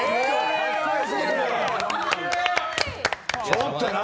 ちょっと何？